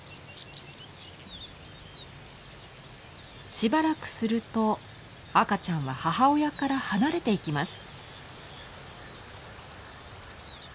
しばらくすると赤ちゃんは母親から離れていきます。